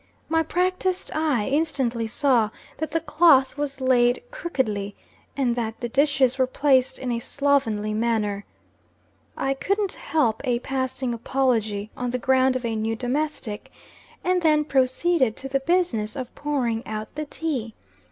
My practised eye instantly saw that the cloth was laid crookedly, and that the dishes were placed in a slovenly manner. I couldn't help a passing apology, on the ground of a new domestic, and then proceeded to the business of pouring out the tea.